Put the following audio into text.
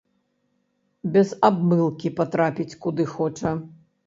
Без абмылкі патрапіць, куды хоча.